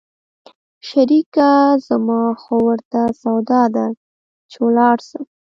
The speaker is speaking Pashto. شريکه زما خو ورته سودا ده چې ولاړ سم.